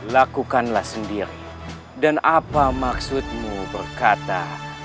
lakukanlah sendiri dan apa maksudmu berkata